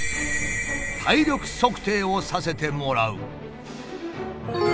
体力測定をさせてもらう。